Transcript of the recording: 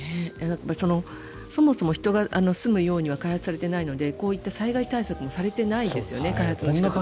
そもそも人が住むようには開発されていないのでこういった災害対策もされてないですよね。